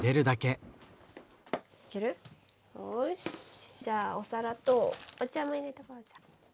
よしじゃあお皿とお茶も入れとかなきゃ。